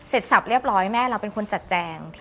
สับเรียบร้อยแม่เราเป็นคนจัดแจง